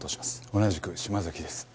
同じく島崎です。